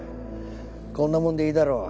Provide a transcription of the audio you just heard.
こんなもんでいいだろう。